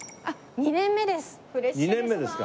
２年目ですか。